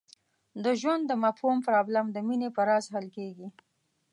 د ژوند د مفهوم پرابلم د مینې په راز حل کېږي.